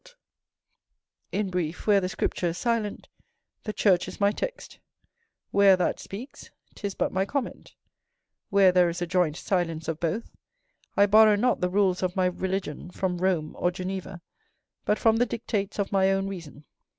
In brief, where the Scripture is silent, the church is my text; where that speaks, 'tis but my comment; where there is a joint silence of both, I borrow not the rules of my religion from Rome or Geneva, but from the dictates of my own reason.